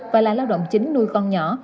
và là lao động chính nuôi con nhỏ